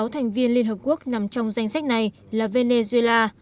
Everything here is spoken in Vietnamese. sáu thành viên liên hợp quốc nằm trong danh sách này là venezuela